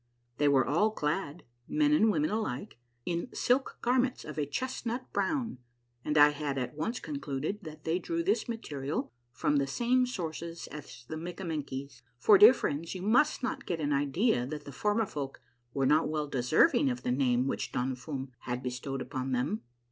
They were all clad, men and women alike, in silk garments of a chestnut brown, and I at once concluded that they drew this material from the same sources as the Mikkamen kies, for, dear friends, you must not get an idea that the Formi folk were not well deserving of the name which Don Fum had bestowed upon them.